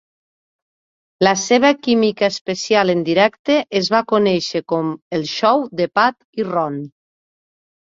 La seva química especial en directe es va conèixer com el "xou de Pat i Ron".